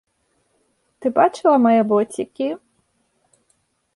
Ты бачыла мае боцікі?